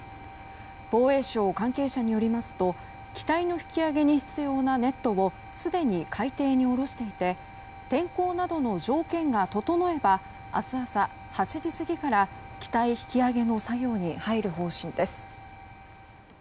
防衛省関係者によりますと機体の引き揚げに必要なネットをすでに海底に下ろしていて天候などの条件が整えば明日朝８時過ぎから機体引き揚げの作業に入る方針です。